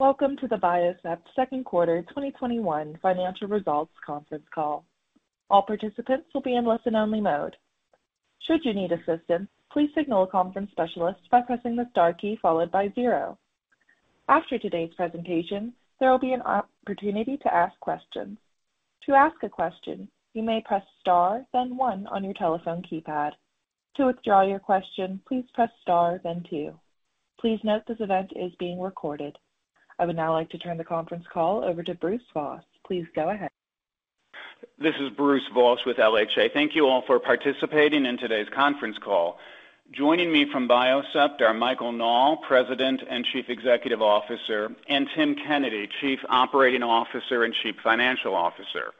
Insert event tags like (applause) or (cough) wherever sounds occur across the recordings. Welcome to the Biocept's second quarter 2021 financial results conference call. All participants will be in listen-only mode. Should you need assistance, please signal conference specialist by pressing the star key followed by zero. After today's presentation, there will be an (audio distortion) to ask question. To ask a question, you may press star then one on your telephone keypad. To withdraw your question, please press star then two. Please note this event is being recorded. I would now like to turn the conference call over to Bruce Voss. Please go ahead. This is Bruce Voss with LHA. Thank you all for participating in today's conference call. Joining me from Biocept are Michael Nall, President and Chief Executive Officer, and Tim Kennedy, Chief Operating Officer and Chief Financial Officer.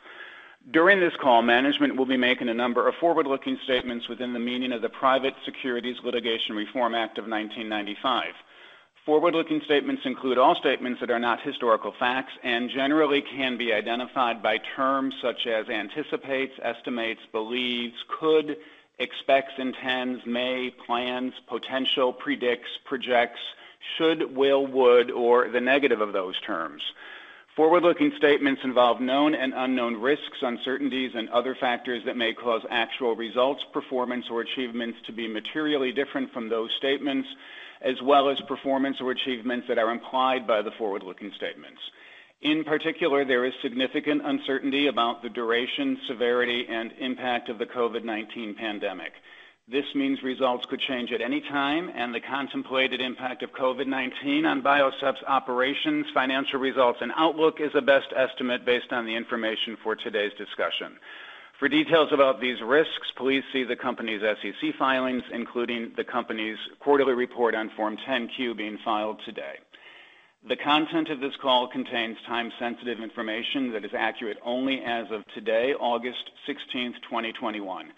During this call, management will be making a number of forward-looking statements within the meaning of the Private Securities Litigation Reform Act of 1995. Forward-looking statements include all statements that are not historical facts and generally can be identified by terms such as anticipates, estimates, believes, could, expects, intends, may, plans, potential, predicts, projects, should, will, would, or the negative of those terms. Forward-looking statements involve known and unknown risks, uncertainties, and other factors that may cause actual results, performance, or achievements to be materially different from those statements, as well as performance or achievements that are implied by the forward-looking statements. In particular, there is significant uncertainty about the duration, severity, and impact of the COVID-19 pandemic. This means results could change at any time, and the contemplated impact of COVID-19 on Biocept's operations, financial results, and outlook is a best estimate based on the information for today's discussion. For details about these risks, please see the company's SEC filings, including the company's quarterly report on Form 10-Q being filed today. The content of this call contains time-sensitive information that is accurate only as of today, August 16th, 2021.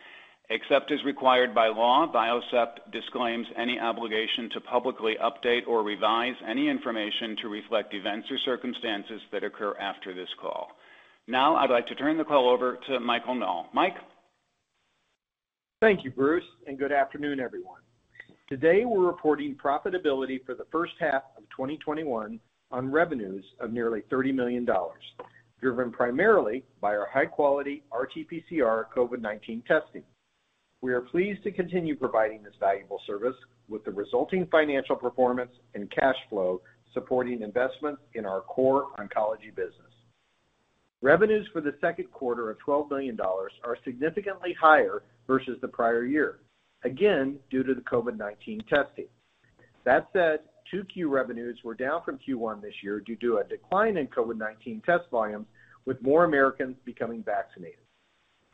Except as required by law, Biocept disclaims any obligation to publicly update or revise any information to reflect events or circumstances that occur after this call. Now, I'd like to turn the call over to Michael Nall. Mike? Thank you, Bruce. Good afternoon, everyone. Today, we're reporting profitability for the first half of 2021 on revenues of nearly $30 million, driven primarily by our high-quality RTPCR COVID-19 testing. We are pleased to continue providing this valuable service with the resulting financial performance and cash flow supporting investment in our core oncology business. Revenues for the second quarter of $12 million are significantly higher versus the prior year, again, due to the COVID-19 testing. That said, 2Q revenues were down from Q1 this year due to a decline in COVID-19 test volumes with more Americans becoming vaccinated.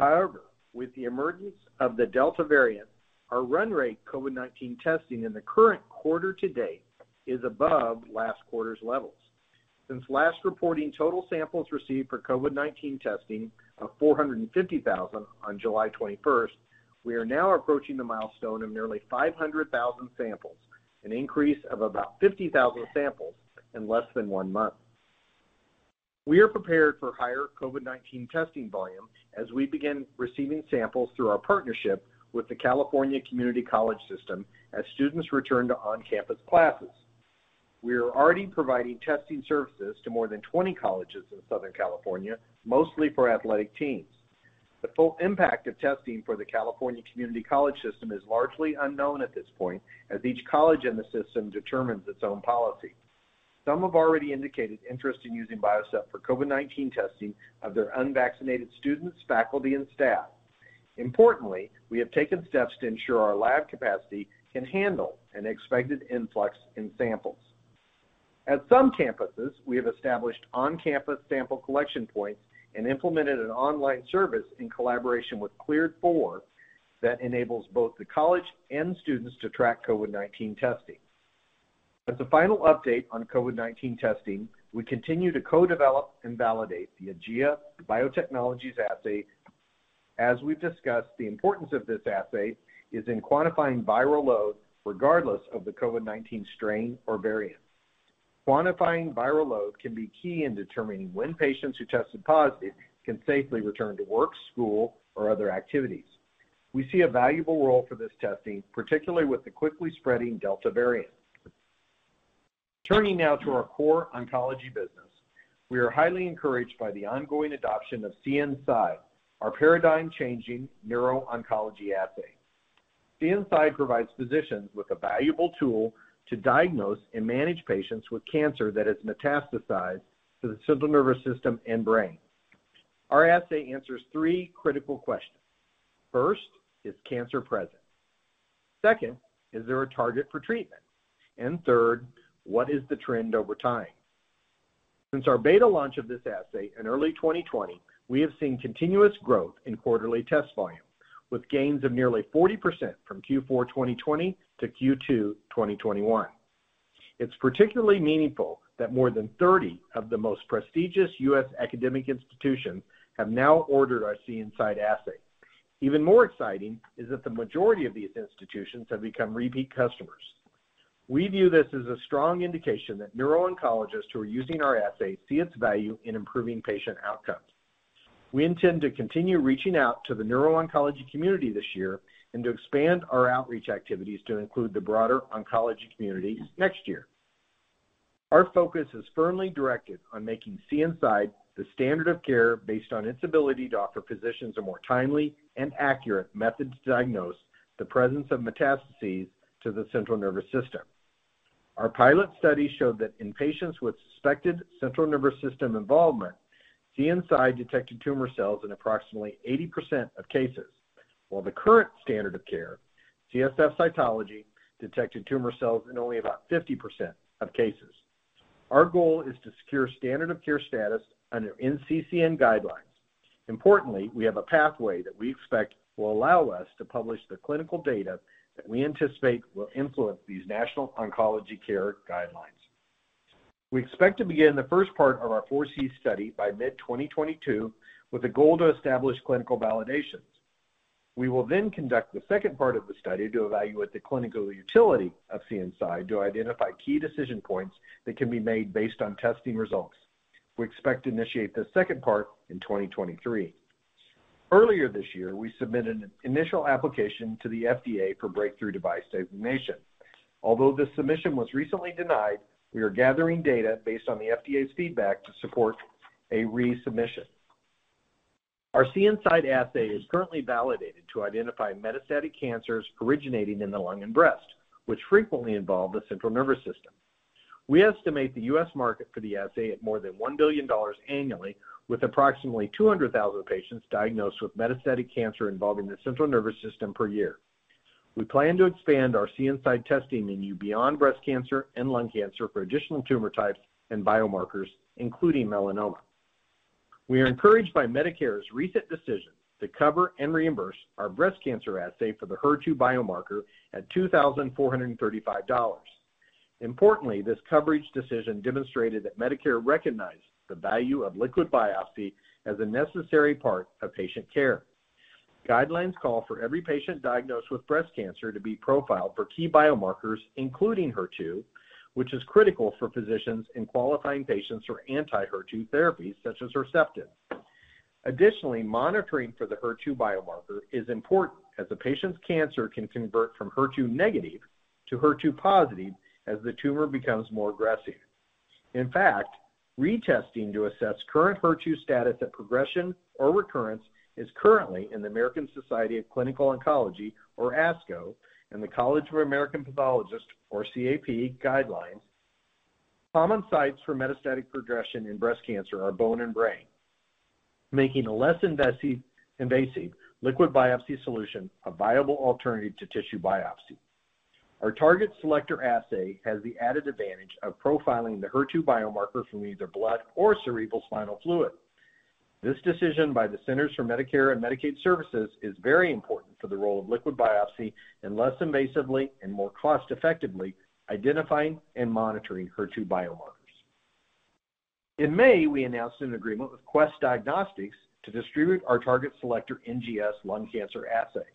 However, with the emergence of the Delta variant, our run rate COVID-19 testing in the current quarter to date is above last quarter's levels. Since last reporting, total samples received for COVID-19 testing of 450,000 on July 21st, we are now approaching the milestone of nearly 500,000 samples, an increase of about 50,000 samples in less than one month. We are prepared for higher COVID-19 testing volume as we begin receiving samples through our partnership with the California Community College system as students return to on-campus classes. We are already providing testing services to more than 20 colleges in Southern California, mostly for athletic teams. The full impact of testing for the California Community College system is largely unknown at this point, as each college in the system determines its own policy. Some have already indicated interest in using Biocept for COVID-19 testing of their unvaccinated students, faculty, and staff. Importantly, we have taken steps to ensure our lab capacity can handle an expected influx in samples. At some campuses, we have established on-campus sample collection points and implemented an online service in collaboration with Cleared4 that enables both the college and students to track COVID-19 testing. As a final update on COVID-19 testing, we continue to co-develop and validate the Aegea Biotechnologies assay. As we've discussed, the importance of this assay is in quantifying viral load regardless of the COVID-19 strain or variant. Quantifying viral load can be key in determining when patients who tested positive can safely return to work, school, or other activities. We see a valuable role for this testing, particularly with the quickly spreading Delta variant. Turning now to our core oncology business, we are highly encouraged by the ongoing adoption of CNSide, our paradigm-changing neuro-oncology assay. CNSide provides physicians with a valuable tool to diagnose and manage patients with cancer that has metastasized to the central nervous system and brain. Our assay answers three critical questions. First, is cancer present? Second, is there a target for treatment? Third, what is the trend over time? Since our beta launch of this assay in early 2020, we have seen continuous growth in quarterly test volume, with gains of nearly 40% from Q4 2020 to Q2 2021. It's particularly meaningful that more than 30 of the most prestigious U.S. academic institutions have now ordered our CNSide assay. Even more exciting is that the majority of these institutions have become repeat customers. We view this as a strong indication that neuro-oncologists who are using our assay see its value in improving patient outcomes. We intend to continue reaching out to the neuro-oncology community this year and to expand our outreach activities to include the broader oncology community next year. Our focus is firmly directed on making CNSide the standard of care based on its ability to offer physicians a more timely and accurate method to diagnose the presence of metastases to the central nervous system. Our pilot study showed that in patients with suspected central nervous system involvement, CNSide detected tumor cells in approximately 80% of cases. Where the current standard of care, CSF cytology, detected tumor cells in only about 50% of cases. Our goal is to secure standard of care status under NCCN guidelines. Importantly, we have a pathway that we expect will allow us to publish the clinical data that we anticipate will influence these national oncology care guidelines. We expect to begin the first part of our FORESEE study by mid-2022 with a goal to establish clinical validations. We will then conduct the second part of the study to evaluate the clinical utility of CNSide to identify key decision points that can be made based on testing results. We expect to initiate this second part in 2023. Earlier this year, we submitted an initial application to the FDA for Breakthrough Device Designation. Although this submission was recently denied, we are gathering data based on the FDA's feedback to support a resubmission. Our CNSide assay is currently validated to identify metastatic cancers originating in the lung and breast, which frequently involve the central nervous system. We estimate the U.S. market for the assay at more than $1 billion annually with approximately 200,000 patients diagnosed with metastatic cancer involving the central nervous system per year. We plan to expand our CNSide testing menu beyond breast cancer and lung cancer for additional tumor types and biomarkers, including melanoma. We are encouraged by Medicare's recent decision to cover and reimburse our breast cancer assay for the HER2 biomarker at $2,435. Importantly, this coverage decision demonstrated that Medicare recognized the value of liquid biopsy as a necessary part of patient care. Guidelines call for every patient diagnosed with breast cancer to be profiled for key biomarkers, including HER2, which is critical for physicians in qualifying patients for anti-HER2 therapies such as Herceptin. Additionally, monitoring for the HER2 biomarker is important as a patient's cancer can convert from HER2-negative to HER2-positive as the tumor becomes more aggressive. In fact, retesting to assess current HER2 status at progression or recurrence is currently in the American Society of Clinical Oncology, or ASCO, and the College of American Pathologists, or CAP, guidelines. Common sites for metastatic progression in breast cancer are bone and brain, making a less invasive liquid biopsy solution a viable alternative to tissue biopsy. Our Target Selector assay has the added advantage of profiling the HER2 biomarker from either blood or cerebrospinal fluid. This decision by the Centers for Medicare & Medicaid Services is very important for the role of liquid biopsy in less invasively and more cost-effectively identifying and monitoring HER2 biomarkers. In May, we announced an agreement with Quest Diagnostics to distribute our Target Selector NGS lung cancer assay.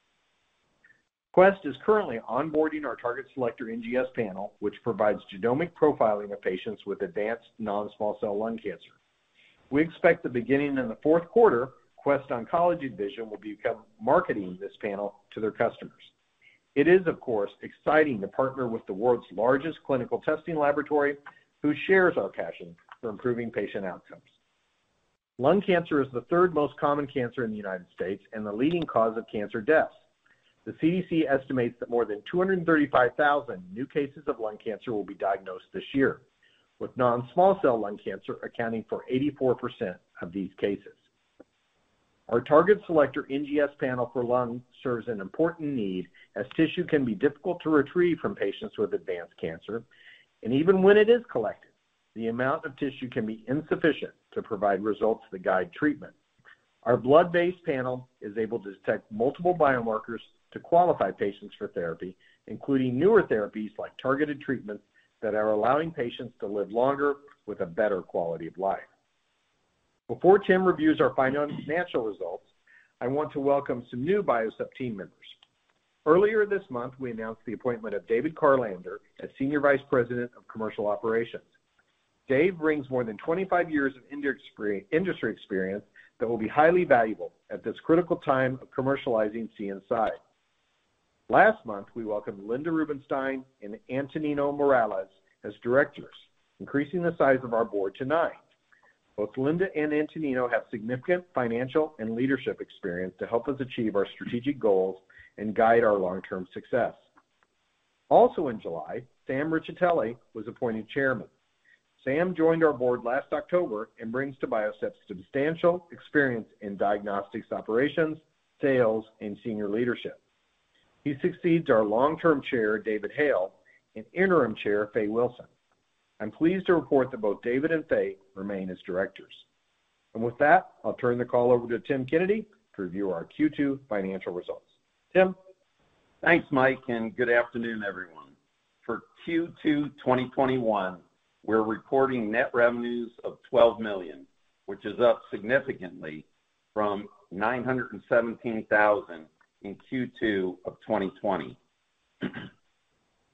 Quest is currently onboarding our Target Selector NGS panel, which provides genomic profiling of patients with advanced non-small cell lung cancer. We expect that beginning in the fourth quarter, Quest Oncology Division will become marketing this panel to their customers. It is, of course, exciting to partner with the world's largest clinical testing laboratory who shares our passion for improving patient outcomes. Lung cancer is the third most common cancer in the U.S. and the leading cause of cancer deaths. The CDC estimates that more than 235,000 new cases of lung cancer will be diagnosed this year, with non-small cell lung cancer accounting for 84% of these cases. Our Target Selector NGS panel for lung serves an important need, as tissue can be difficult to retrieve from patients with advanced cancer, and even when it is collected, the amount of tissue can be insufficient to provide results that guide treatment. Our blood-based panel is able to detect multiple biomarkers to qualify patients for therapy, including newer therapies like targeted treatments that are allowing patients to live longer with a better quality of life. Before Tim reviews our financial results, I want to welcome some new Biocept team members. Earlier this month, we announced the appointment of David Karlander as Senior Vice President of Commercial Operations. Dave brings more than 25 years of industry experience that will be highly valuable at this critical time of commercializing CNSide. Last month, we welcomed Linda Rubinstein and Antonino Morales as directors, increasing the size of our board to nine. Both Linda and Antonino have significant financial and leadership experience to help us achieve our strategic goals and guide our long-term success. Also in July, Sam Riccitelli was appointed Chairman. Sam joined our board last October and brings to Biocept substantial experience in diagnostics operations, sales, and senior leadership. He succeeds our long-term chair, David Hale, and interim chair, Faye Wilson. I'm pleased to report that both David and Faye remain as directors. With that, I'll turn the call over to Tim Kennedy to review our Q2 financial results. Tim? Thanks, Mike. Good afternoon, everyone. For Q2 2021, we're reporting net revenues of $12 million, which is up significantly from $917,000 in Q2 of 2020.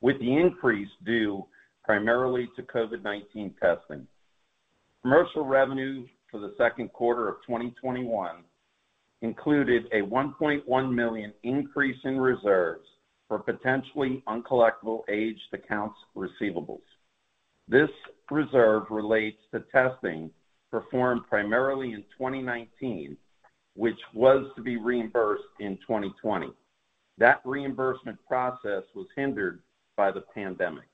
With the increase due primarily to COVID-19 testing. Commercial revenues for the second quarter of 2021 included a $1.1 million increase in reserves for potentially uncollectible aged accounts receivables. This reserve relates to testing performed primarily in 2019, which was to be reimbursed in 2020. That reimbursement process was hindered by the pandemic.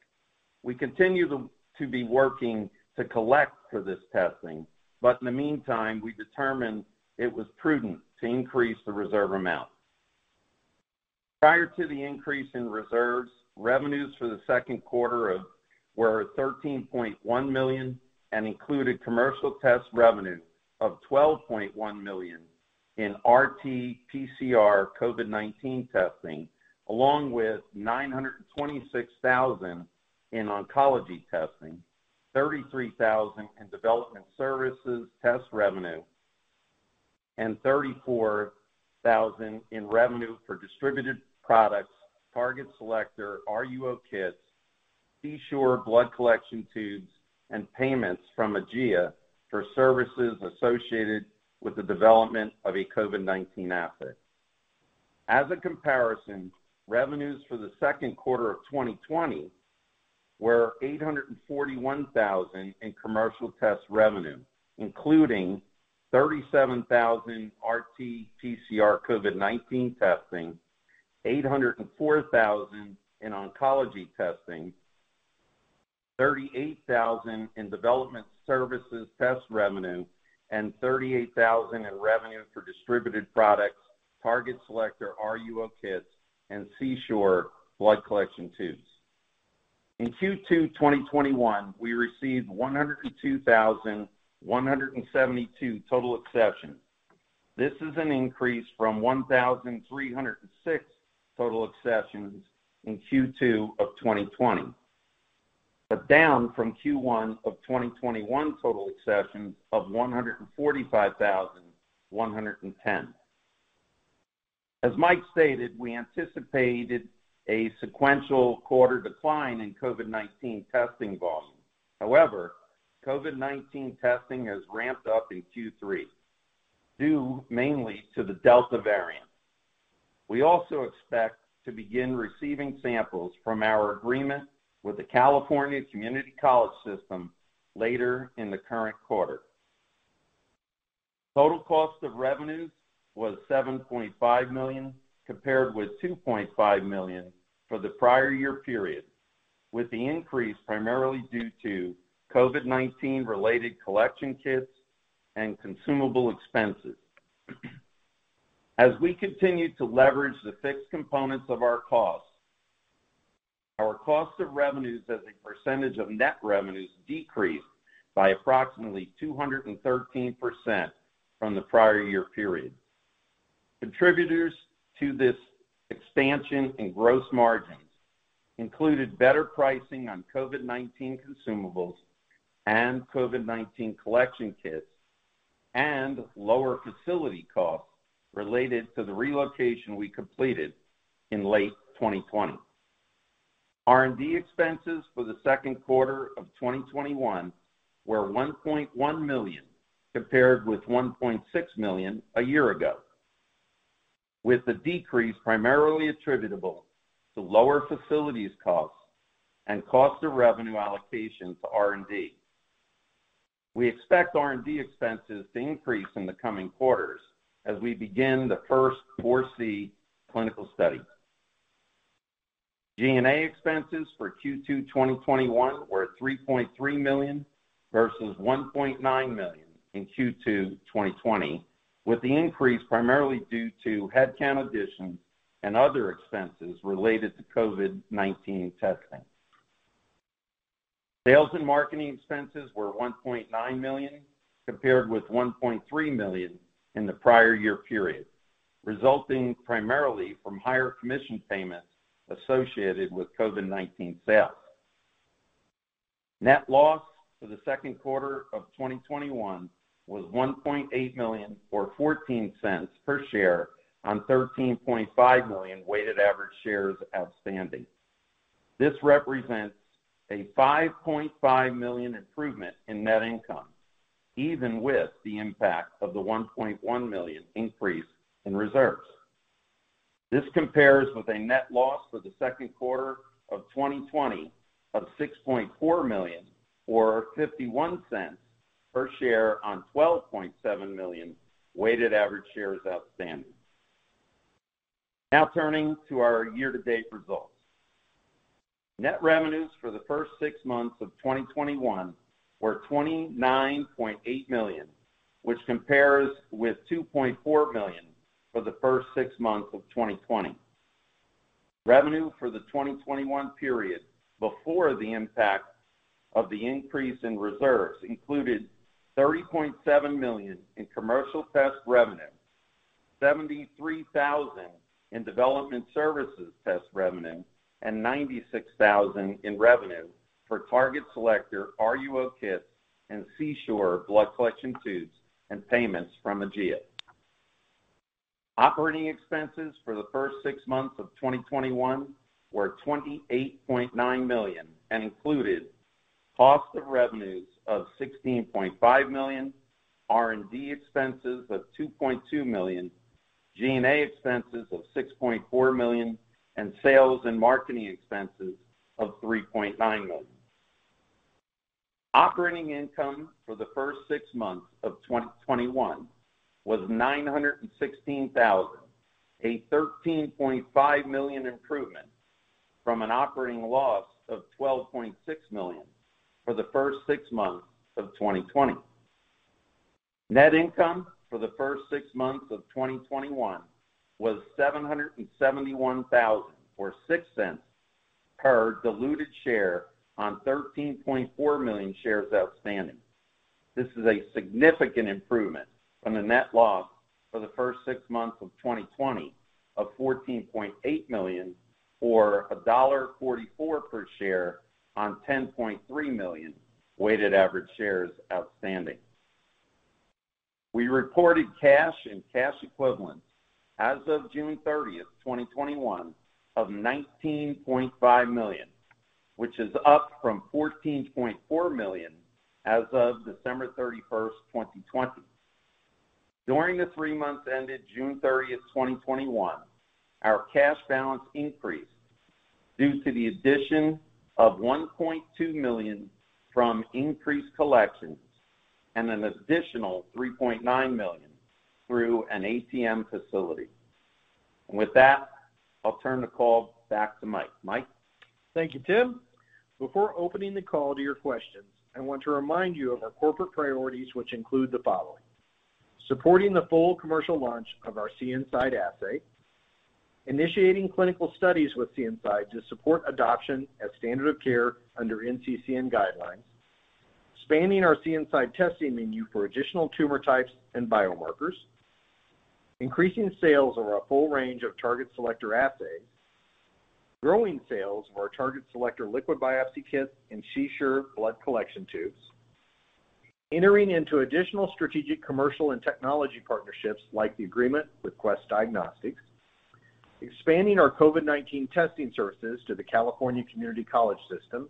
We continue to be working to collect for this testing, but in the meantime, we determined it was prudent to increase the reserve amount. Prior to the increase in reserves, revenues for the second quarter were $13.1 million and included commercial test revenue of $12.1 million in RT-PCR COVID-19 testing, along with $926,000 in oncology testing, $33,000 in development services test revenue, and $34,000 in revenue for distributed products, Target Selector RUO kits, CEE-Sure blood collection tubes, and payments from Aegea for services associated with the development of a COVID-19 assay. As a comparison, revenues for the second quarter of 2020 were $841,000 in commercial test revenue, including $37,000 RT-PCR COVID-19 testing, $804,000 in oncology testing, $38,000 in development services test revenue, and $38,000 in revenue for distributed products, Target Selector RUO kits and CEE-Sure blood collection tubes. In Q2 2021, we received 102,172 total accessions. This is an increase from 1,306 total accessions in Q2 of 2020, but down from Q1 of 2021 total accession of 145,110. As Mike stated, we anticipated a sequential quarter decline in COVID-19 testing volume. However, COVID-19 testing has ramped up in Q3, due mainly to the Delta variant. We also expect to begin receiving samples from our agreement with the California Community College System later in the current quarter. Total cost of revenues was $7.5 million, compared with $2.5 million for the prior year period, with the increase primarily due to COVID-19 related collection kits and consumable expenses. As we continue to leverage the fixed components of our costs, our cost of revenues as a percentage of net revenues decreased by approximately 213% from the prior year period. Contributors to this expansion in gross margins included better pricing on COVID-19 consumables and COVID-19 collection kits, and lower facility costs related to the relocation we completed in late 2020. R&D expenses for the second quarter of 2021 were $1.1 million, compared with $1.6 million a year ago, with the decrease primarily attributable to lower facilities costs and cost of revenue allocation to R&D. We expect R&D expenses to increase in the coming quarters as we begin the first FORESEE clinical study. G&A expenses for Q2 2021 were $3.3 million versus $1.9 million in Q2 2020, with the increase primarily due to headcount additions and other expenses related to COVID-19 testing. Sales and marketing expenses were $1.9 million, compared with $1.3 million in the prior year period, resulting primarily from higher commission payments associated with COVID-19 sales. Net loss for the second quarter of 2021 was $1.8 million or $0.14 per share on 13.5 million weighted average shares outstanding. This represents a $5.5 million improvement in net income, even with the impact of the $1.1 million increase in reserves. This compares with a net loss for the second quarter of 2020 of $6.4 million or $0.51 per share on 12.7 million weighted average shares outstanding. Now turning to our year-to-date results. Net revenues for the first six months of 2021 were $29.8 million, which compares with $2.4 million for the first six months of 2020. Revenue for the 2021 period before the impact of the increase in reserves included $30.7 million in commercial test revenue, $73,000 in development services test revenue, and $96,000 in revenue for Target Selector RUO kits and CEE-Sure blood collection tubes and payments from Aegea. Operating expenses for the first six months of 2021 were $28.9 million and included cost of revenues of $16.5 million, R&D expenses of $2.2 million, G&A expenses of $6.4 million, and sales and marketing expenses of $3.9 million. Operating income for the first six months of 2021 was $916,000, a $13.5 million improvement from an operating loss of $12.6 million for the first six months of 2020. Net income for the first six months of 2021 was $771,000, or $0.06 per diluted share on 13.4 million shares outstanding. This is a significant improvement from the net loss for the first six months of 2020 of $14.8 million, or $1.44 per share on 10.3 million weighted average shares outstanding. We reported cash and cash equivalents as of June 30th, 2021 of $19.5 million, which is up from $14.4 million as of December 31st, 2020. During the three months ended June 30th, 2021, our cash balance increased due to the addition of $1.2 million from increased collections and an additional $3.9 million through an ATM facility. With that, I'll turn the call back to Mike. Mike? Thank you, Tim. Before opening the call to your questions, I want to remind you of our corporate priorities, which include the following: supporting the full commercial launch of our CNSide assay, initiating clinical studies with CNSide to support adoption as standard of care under NCCN guidelines, expanding our CNSide testing menu for additional tumor types and biomarkers, increasing sales of our full range of Target Selector assays, growing sales of our Target Selector liquid biopsy kit and CEE-Sure blood collection tubes, entering into additional strategic, commercial, and technology partnerships, like the agreement with Quest Diagnostics, expanding our COVID-19 testing services to the California Community College System,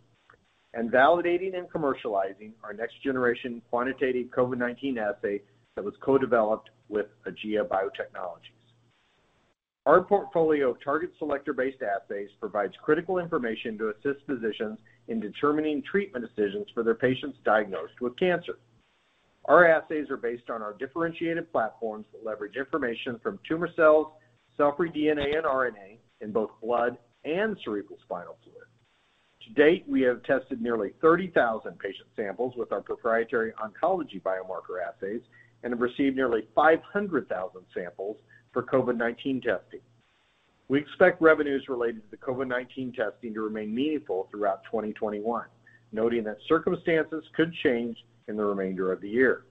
and validating and commercializing our next-generation quantitative COVID-19 assay that was co-developed with Aegea Biotechnologies. Our portfolio of Target Selector-based assays provides critical information to assist physicians in determining treatment decisions for their patients diagnosed with cancer. Our assays are based on our differentiated platforms that leverage information from tumor cells, cell-free DNA and RNA in both blood and cerebrospinal fluid. To date, we have tested nearly 30,000 patient samples with our proprietary oncology biomarker assays and have received nearly 500,000 samples for COVID-19 testing. We expect revenues related to the COVID-19 testing to remain meaningful throughout 2021, noting that circumstances could change in the remainder of the year.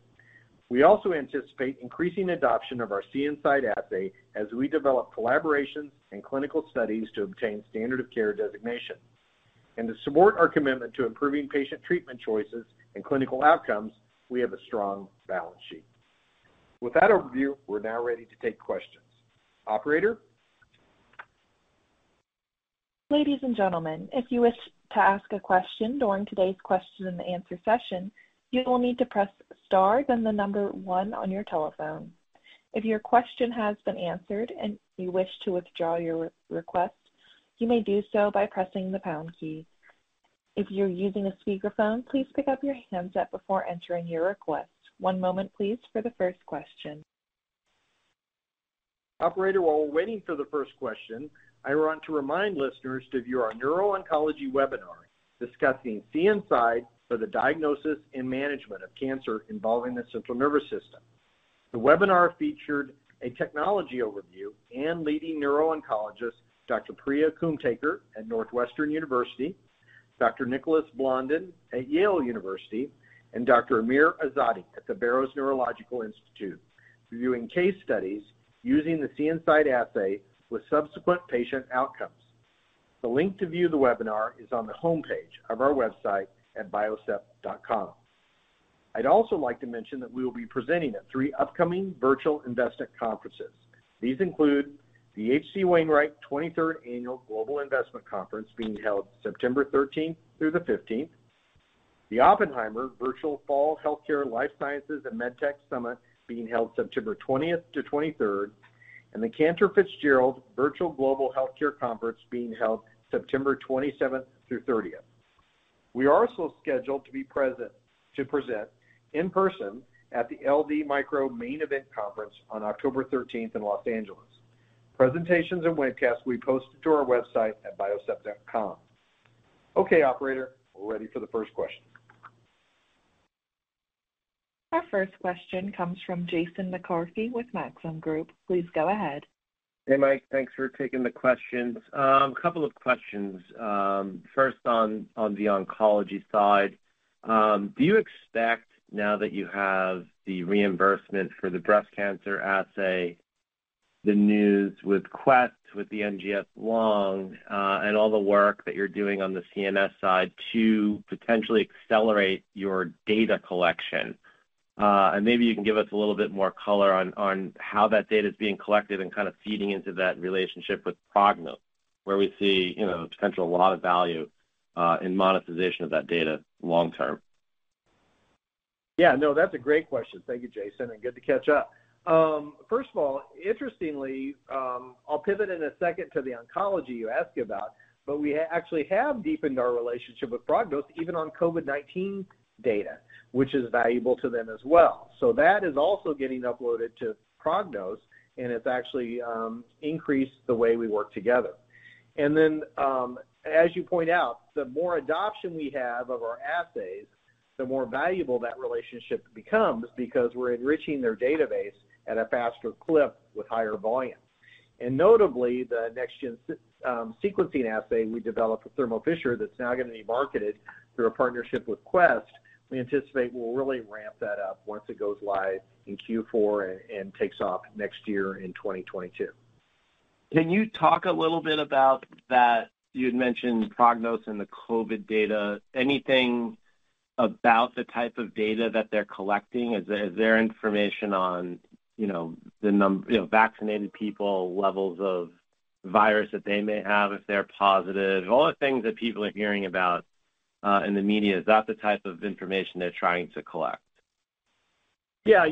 We also anticipate increasing adoption of our CNSide assay as we develop collaborations and clinical studies to obtain standard of care designation. To support our commitment to improving patient treatment choices and clinical outcomes, we have a strong balance sheet. With that overview, we're now ready to take questions. Operator? Ladies and gentlemen, if you wish to ask a question on today's question and answer session, you will need to press star then the number one on your telephone. If your question has been answered and you wish to withdraw your request, you may do so by pressing the pound key. If you're using a speaker phone, please pick up your handset before entering your request. One moment, please, for the first question. Operator, while we're waiting for the first question, I want to remind listeners to view our neuro-oncology webinar discussing CNSide for the diagnosis and management of cancer involving the central nervous system. The webinar featured a technology overview and leading neuro-oncologist Dr. Priya Kumthekar at Northwestern University, Dr. Nicholas Blondin at Yale University, and Dr. Amir Azadi at the Barrow Neurological Institute, reviewing case studies using the CNSide assay with subsequent patient outcomes. The link to view the webinar is on the homepage of our website at biocept.com. I'd also like to mention that we will be presenting at three upcoming virtual investment conferences. These include the H.C. Wainwright 23rd Annual Global Investment Conference being held September 13th through the 15th, the Oppenheimer Virtual Fall Healthcare, Life Sciences, and MedTech Summit being held September 20th-23rd, and the Cantor Fitzgerald Virtual Global Healthcare Conference being held September 27th through 30th. We are also scheduled to present in person at the LD Micro Main Event Conference on October 13th in Los Angeles. Presentations and webcasts will be posted to our website at biocept.com. Okay, operator, we're ready for the first question. Our first question comes from Jason McCarthy with Maxim Group. Please go ahead. Hey, Mike. Thanks for taking the questions. A couple of questions. First on the oncology side, do you expect, now that you have the reimbursement for the breast cancer assay, the news with Quest, with the NGS lung, and all the work that you're doing on the CNS side to potentially accelerate your data collection? Maybe you can give us a little bit more color on how that data's being collected and feeding into that relationship with Prognos, where we see potential a lot of value in monetization of that data long term? Yeah, no, that's a great question. Thank you, Jason, and good to catch up. First of all, interestingly, I'll pivot in a second to the oncology you asked about, but we actually have deepened our relationship with Prognos, even on COVID-19 data, which is valuable to them as well. That is also getting uploaded to Prognos, and it's actually increased the way we work together. Then, as you point out, the more adoption we have of our assays, the more valuable that relationship becomes because we're enriching their database at a faster clip with higher volume. Notably, the next gen sequencing assay we developed with Thermo Fisher that's now going to be marketed through a partnership with Quest, we anticipate we'll really ramp that up once it goes live in Q4 and takes off next year in 2022. Can you talk a little bit about that, you had mentioned Prognos and the COVID data. Anything about the type of data that they're collecting? Is there information on the number vaccinated people, levels of virus that they may have if they're positive, all the things that people are hearing about in the media? Is that the type of information they're trying to collect? Yeah.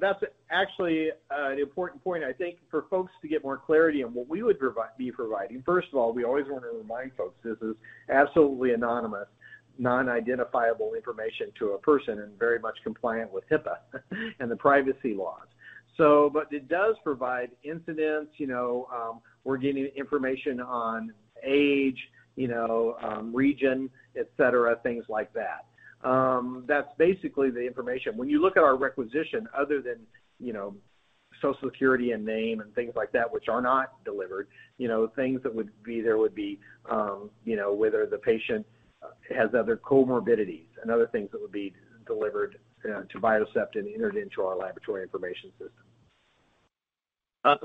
That's actually an important point, I think, for folks to get more clarity on what we would be providing. First of all, we always want to remind folks this is absolutely anonymous, non-identifiable information to a person and very much compliant with HIPAA and the privacy laws. It does provide incidence. We're getting information on age, region, et cetera, things like that. That's basically the information. When you look at our requisition, other than social security and name and things like that, which are not delivered, things that would be there would be whether the patient has other comorbidities and other things that would be delivered to Biocept and entered into our laboratory information system.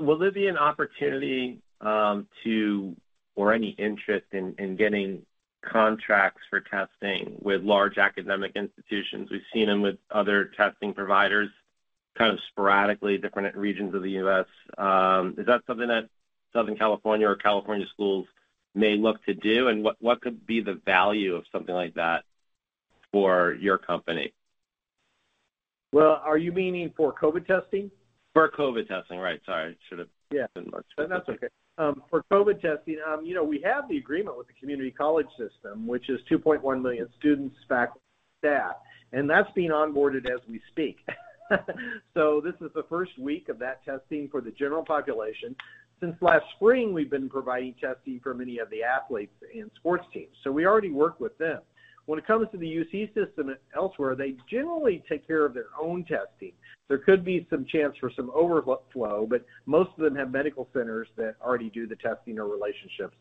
Will there be an opportunity to, or any interest in getting contracts for testing with large academic institutions? We've seen them with other testing providers sporadically, different regions of the U.S. Is that something that Southern California or California schools may look to do? What could be the value of something like that for your company? Well, are you meaning for COVID-19 testing? For COVID testing. Right. Sorry. Yeah. No, that's okay. For COVID-19 testing, we have the agreement with the Community Colleges system, which is 2.1 million students, faculty, staff, and that's being onboarded as we speak. This is the first week of that testing for the general population. Since last spring, we've been providing testing for many of the athletes and sports teams, so we already work with them. When it comes to the UC system and elsewhere, they generally take care of their own testing. There could be some chance for some overflow, but most of them have medical centers that already do the testing or relationships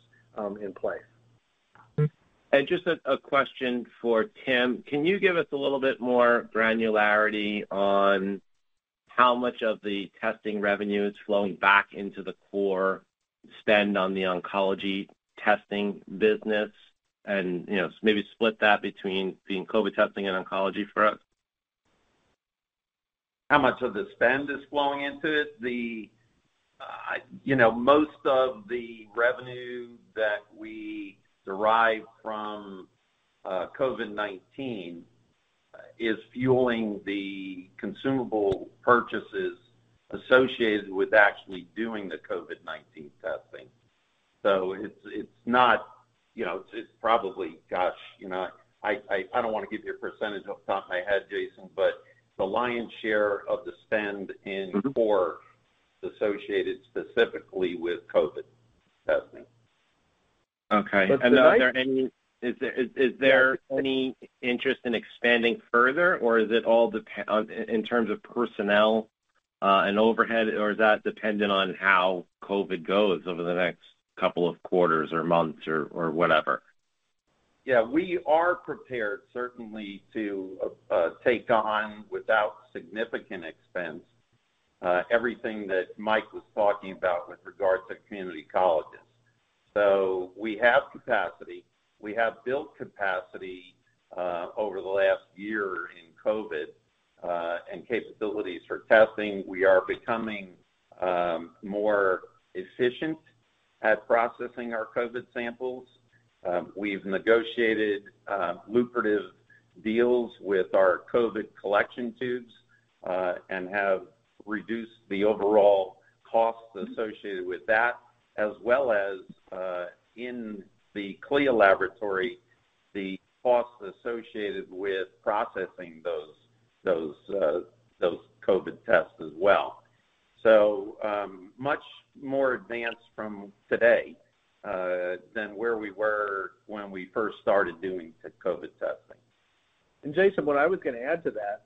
in place. Just a question for Tim. Can you give us a little bit more granularity on how much of the testing revenue is flowing back into the core spend on the oncology testing business? Maybe split that between the COVID testing and oncology for us. How much of the spend is flowing into it? Most of the revenue that we derive from COVID-19 is fueling the consumable purchases associated with actually doing the COVID-19 testing. It's probably, gosh, I don't want to give you a percentage off the top of my head, Jason, but the lion's share of the spend in core is associated specifically with COVID testing. Okay. That's right. Is there any interest in expanding further? Is it all dependent in terms of personnel, and overhead, or is that dependent on how COVID goes over the next couple of quarters or months or whatever? Yeah. We are prepared, certainly, to take on, without significant expense, everything that Mike was talking about with regards to community colleges. We have capacity. We have built capacity, over the last year in COVID, and capabilities for testing. We are becoming more efficient at processing our COVID samples. We've negotiated lucrative deals with our COVID collection tubes, and have reduced the overall costs associated with that, as well as, in the CLIA laboratory, the costs associated with processing those COVID tests as well. Much more advanced from today, than where we were when we first started doing COVID testing. Jason, what I was going to add to that,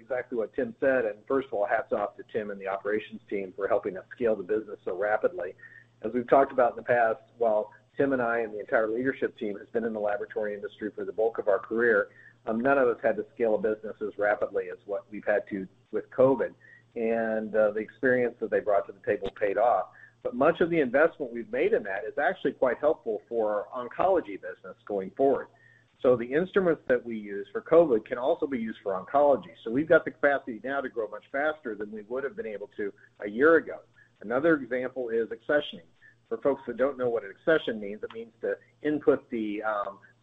exactly what Tim said, and first of all, hats off to Tim and the operations team for helping us scale the business so rapidly. As we've talked about in the past, while Tim and I and the entire leadership team has been in the laboratory industry for the bulk of our career, none of us had to scale a business as rapidly as what we've had to with COVID. The experience that they brought to the table paid off. Much of the investment we've made in that is actually quite helpful for our oncology business going forward. The instruments that we use for COVID can also be used for oncology. We've got the capacity now to grow much faster than we would've been able to one year ago. Another example is accessioning. For folks that don't know what an accession means, it means to input the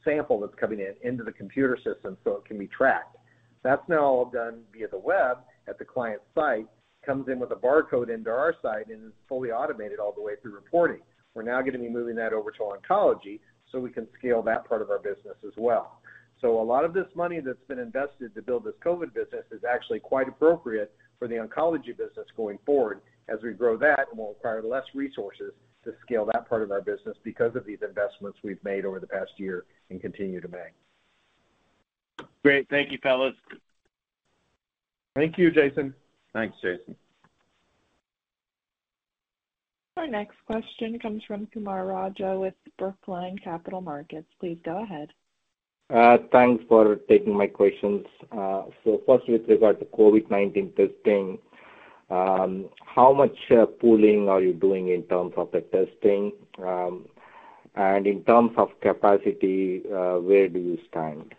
sample that's coming in into the computer system so it can be tracked. That's now all done via the web at the client site, comes in with a barcode into our site, and is fully automated all the way through reporting. We're now going to be moving that over to oncology so we can scale that part of our business as well. A lot of this money that's been invested to build this COVID business is actually quite appropriate for the oncology business going forward. As we grow that, we'll require less resources to scale that part of our business because of these investments we've made over the past year and continue to make. Great. Thank you, fellas. Thank you, Jason. Thanks, Jason. Our next question comes from Kumar Raja with Brookline Capital Markets. Please go ahead. Thanks for taking my questions. First, with regard to COVID-19 testing, how much pooling are you doing in terms of the testing? In terms of capacity, where do you stand?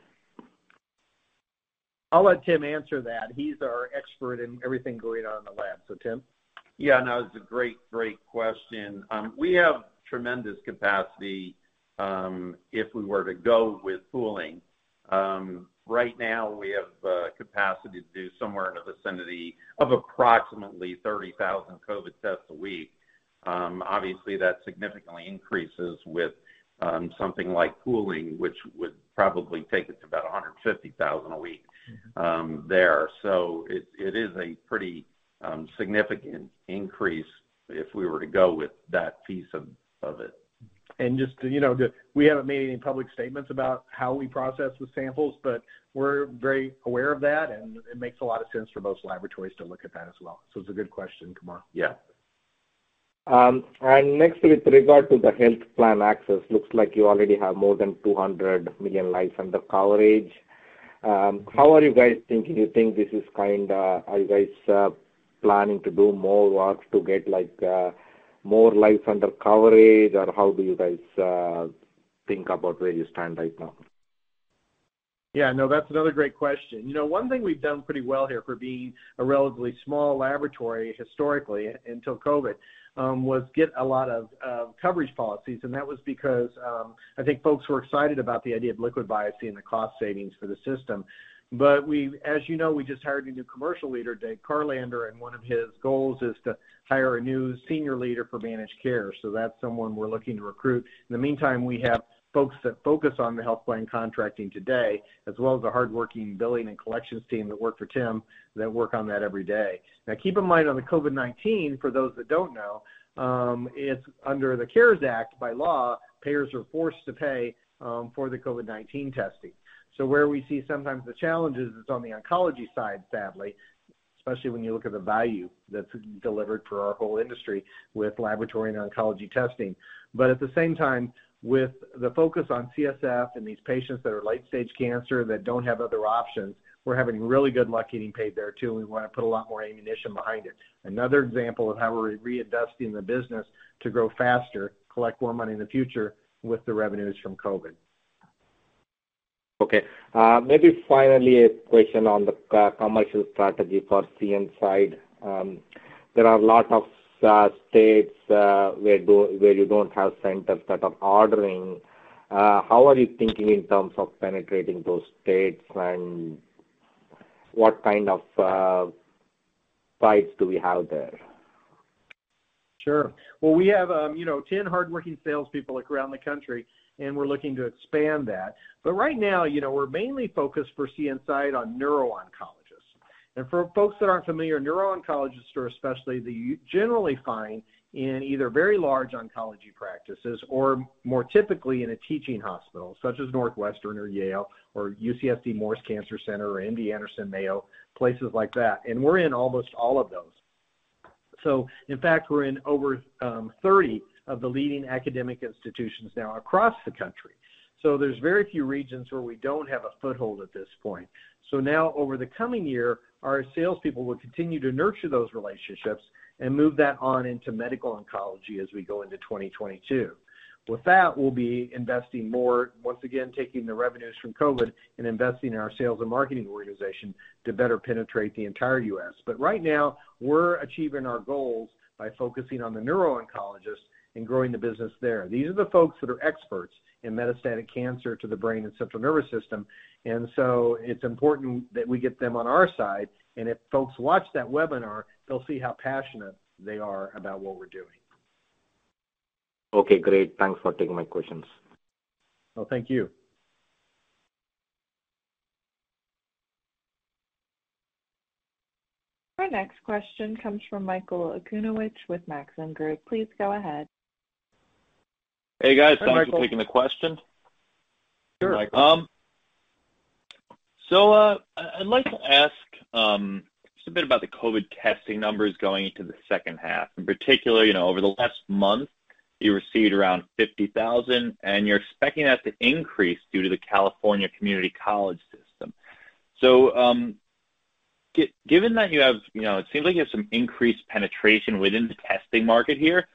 I'll let Tim answer that. He is our expert in everything going on in the lab. Tim? Yeah, no, it's a great question. We have tremendous capacity if we were to go with pooling. Right now we have the capacity to do somewhere in the vicinity of approximately 30,000 COVID-19 tests a week. Obviously, that significantly increases with something like pooling, which would probably take it to about 150,000 a week there. It is a pretty significant increase if we were to go with that piece of it. Just so you know, we haven't made any public statements about how we process the samples, but we're very aware of that and it makes a lot of sense for most laboratories to look at that as well. It's a good question, Kumar. Yeah. Next, with regard to the health plan access, looks like you already have more than 200 million lives under coverage. How are you guys thinking? Do you think this is kind a, are you guys planning to do more work to get more lives under coverage or how do you guys think about where you stand right now? Yeah, no, that's another great question. One thing we've done pretty well here for being a relatively small laboratory historically until COVID, was get a lot of coverage policies. That was because, I think folks were excited about the idea of liquid biopsy and the cost savings for the system. As you know, we just hired a new commercial leader, David Karlander, and one of his goals is to hire a new senior leader for managed care, so that's someone we're looking to recruit. In the meantime, we have folks that focus on the health plan contracting today, as well as the hardworking billing and collections team that work for Tim that work on that every day. Keep in mind on the COVID-19, for those that don't know, it's under the CARES Act. By law, payers are forced to pay for the COVID-19 testing. Where we see sometimes the challenges, it's on the oncology side, sadly, especially when you look at the value that's delivered for our whole industry with laboratory and oncology testing. At the same time, with the focus on CSF and these patients that are late stage cancer that don't have other options, we're having really good luck getting paid there too, and we want to put a lot more ammunition behind it. Another example of how we're reinvesting the business to grow faster, collect more money in the future with the revenues from COVID. Okay. Maybe finally a question on the commercial strategy for CNSide. There are a lot of states where you don't have centers that are ordering. How are you thinking in terms of penetrating those states and what kind of pipes do we have there? Sure. Well, we have 10 hardworking salespeople like around the country, and we're looking to expand that. Right now, we're mainly focused for CNSide on neuro-oncologists. For folks that aren't familiar, neuro-oncologists are especially the generally find in either very large oncology practices or more typically in a teaching hospital such as Northwestern or Yale or UCSD Moores Cancer Center, or MD Anderson Mayo, places like that. We're in almost all of those. In fact, we're in over 30 of the leading academic institutions now across the country. There's very few regions where we don't have a foothold at this point. Now over the coming year, our salespeople will continue to nurture those relationships and move that on into medical oncology as we go into 2022. With that, we'll be investing more, once again, taking the revenues from COVID and investing in our sales and marketing organization to better penetrate the entire U.S. Right now, we're achieving our goals by focusing on the neuro-oncologists and growing the business there. These are the folks that are experts in metastatic cancer to the brain and central nervous system. It's important that we get them on our side, and if folks watch that webinar, they'll see how passionate they are about what we're doing. Okay, great. Thanks for taking my questions. No, thank you. Our next question comes from Michael Okunewitch with Maxim Group. Please go ahead. Hey guys. Hey, Michael. Thanks for taking the question. Sure. I'd like to ask just a bit about the COVID-19 testing numbers going into the second half. In particular, over the last month, you received around 50,000, and you're expecting that to increase due to the California Community Colleges system. Given that it seems like you have some increased penetration within the testing market here,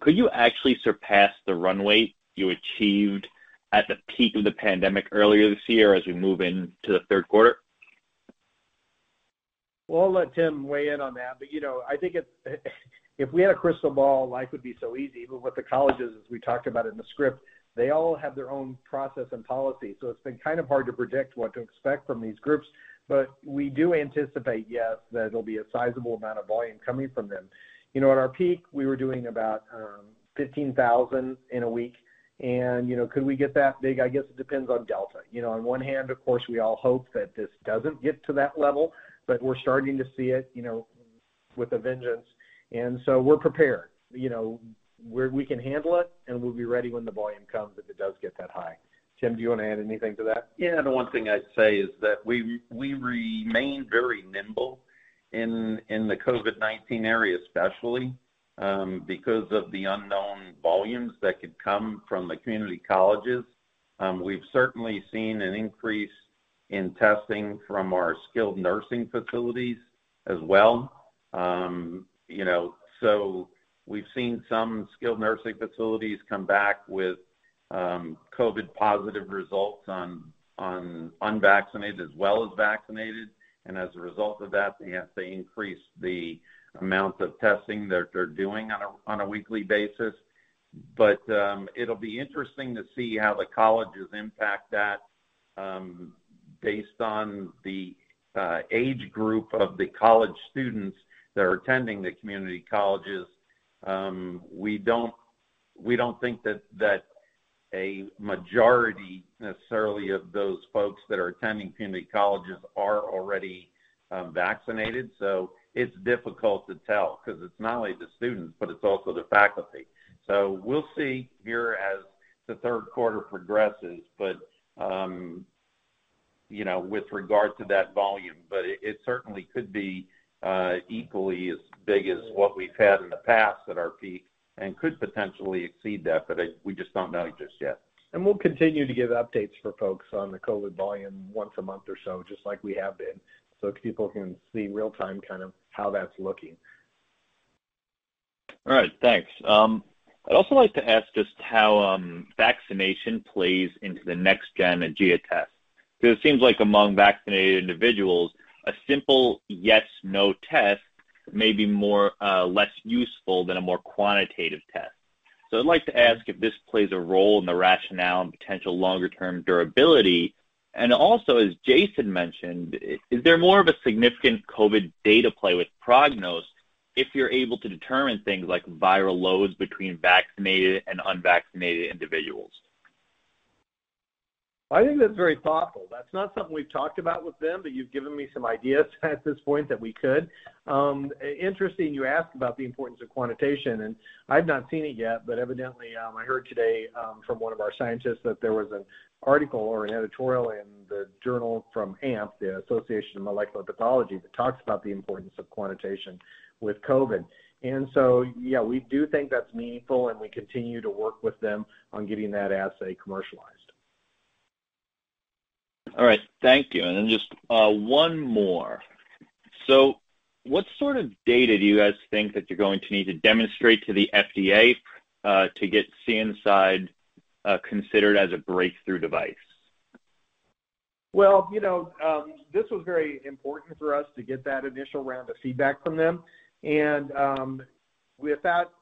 could you actually surpass the runway you achieved at the peak of the pandemic earlier this year as we move into the third quarter? Well, I'll let Tim Kennedy weigh in on that. I think if we had a crystal ball, life would be so easy. With the colleges, as we talked about in the script, they all have their own process and policy. It's been kind of hard to predict what to expect from these groups, but we do anticipate, yes, that it'll be a sizable amount of volume coming from them. At our peak, we were doing about 15,000 in a week. Could we get that big? I guess it depends on Delta. On one hand, of course, we all hope that this doesn't get to that level, but we're starting to see it with a vengeance. We're prepared. We can handle it. We'll be ready when the volume comes if it does get that high. Tim Kennedy, do you want to add anything to that? The one thing I'd say is that we remain very nimble in the COVID-19 area, especially because of the unknown volumes that could come from the Community Colleges. We've certainly seen an increase in testing from our skilled nursing facilities as well. We've seen some skilled nursing facilities come back with COVID positive results on unvaccinated as well as vaccinated, and as a result of that, they have to increase the amount of testing that they're doing on a weekly basis. It'll be interesting to see how the colleges impact that based on the age group of the college students that are attending the Community Colleges. We don't think that a majority necessarily of those folks that are attending Community Colleges are already vaccinated. It's difficult to tell because it's not only the students, but it's also the faculty. We'll see here as the third quarter progresses with regard to that volume, but it certainly could be equally as big as what we've had in the past at our peak and could potentially exceed that, but we just don't know just yet. We'll continue to give updates for folks on the COVID volume once a month or so, just like we have been, so people can see real-time kind of how that's looking. All right. Thanks. I'd also like to ask just how vaccination plays into the Next Gen Aegea test. It seems like among vaccinated individuals, a simple test may be less useful than a more quantitative test. I'd like to ask if this plays a role in the rationale and potential longer-term durability, and also, as Jason mentioned, is there more of a significant COVID data play with Prognos if you're able to determine things like viral loads between vaccinated and unvaccinated individuals? I think that's very thoughtful. That's not something we've talked about with them, but you've given me some ideas at this point that we could. Interesting you ask about the importance of quantitation, and I've not seen it yet, but evidently I heard today from one of our scientists that there was an article or an editorial in the journal from AMP, the Association for Molecular Pathology, that talks about the importance of quantitation with COVID. Yeah, we do think that's meaningful, and we continue to work with them on getting that assay commercialized. All right. Thank you. Just one more. What sort of data do you guys think that you're going to need to demonstrate to the FDA to get CNSide considered as a breakthrough device? Well, this was very important for us to get that initial round of feedback from them. Without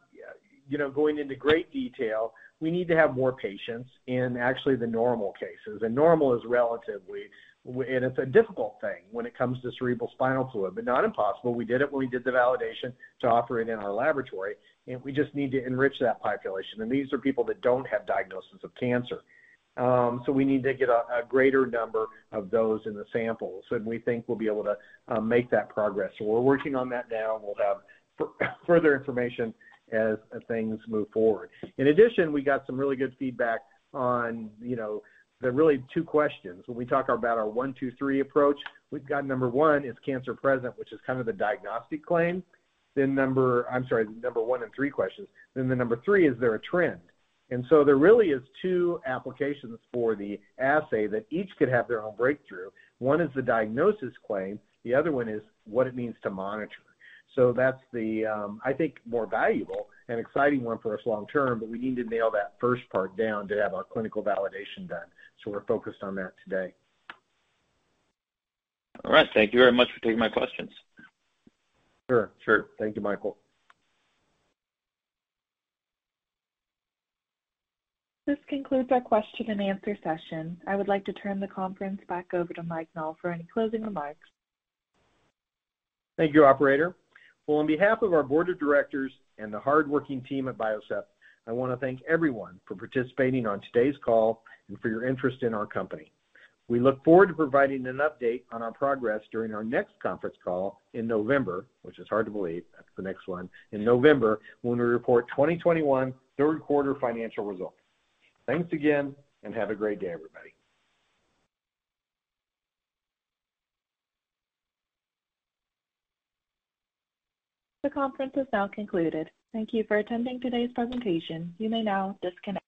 going into great detail, we need to have more patients in actually the normal cases, and normal is relatively, and it's a difficult thing when it comes to cerebrospinal fluid, but not impossible. We did it when we did the validation to operate in our laboratory. We just need to enrich that population. These are people that don't have diagnosis of cancer. We need to get a greater number of those in the samples. We think we'll be able to make that progress. We're working on that now. We'll have further information as things move forward. In addition, we got some really good feedback on the really two questions. When we talk about our one, two, three approach, we've got number one, is cancer present, which is kind of the diagnostic claim. I'm sorry, number one and three questions. The number three, is there a trend? There really is two applications for the assay that each could have their own breakthrough. One is the diagnosis claim, the other one is what it means to monitor. That's the, I think, more valuable and exciting one for us long term, but we need to nail that first part down to have our clinical validation done. We're focused on that today. All right. Thank you very much for taking my questions. Sure. Thank you, Michael. This concludes our question and answer session. I would like to turn the conference back over to Mike Nall for any closing remarks. Thank you, operator. Well, on behalf of our board of directors and the hardworking team at Biocept, I want to thank everyone for participating on today's call and for your interest in our company. We look forward to providing an update on our progress during our next conference call in November, which is hard to believe that's the next one, in November, when we report 2021 third quarter financial results. Thanks again, and have a great day, everybody. The conference is now concluded. Thank you for attending today's presentation. You may now disconnect.